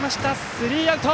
スリーアウト！